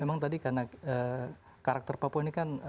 memang tadi karena karakter papua ini kan